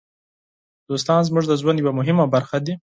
دوستان زموږ د ژوند یوه مهمه برخه دي.